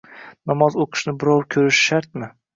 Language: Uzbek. — Namoz o‘qishni birov ko‘rishi shartmi?